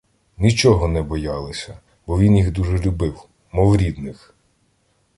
Нічого не боялися, бо він їх дуже любив, мов рідних.